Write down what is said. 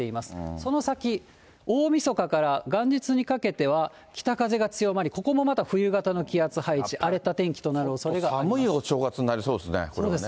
その先、大みそかから元日にかけては北風が強まり、ここもまた冬型の気圧配置、荒れた天気となるおそれがあります。